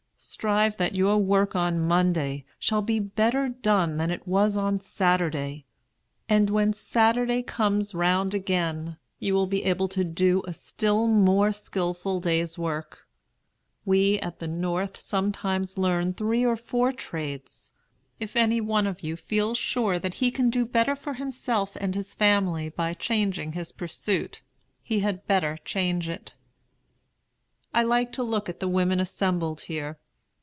Strive that your work on Monday shall be better done than it was on Saturday; and when Saturday comes round again, you will be able to do a still more skilful day's work. We at the North sometimes learn three or four trades. If any one of you feels sure that he can do better for himself and his family by changing his pursuit, he had better change it." "I like to look at the women assembled here.